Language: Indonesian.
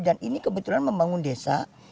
ini kebetulan membangun desa